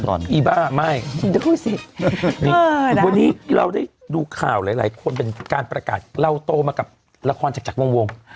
ตอนนี้เราได้ดูข่าวหลายคนเป็นการประกัดเล่าโตมากับละครจากจักรวง